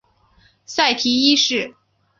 塞提一世。